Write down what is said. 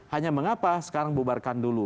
hanya mengapa sekarang bubarkan dulu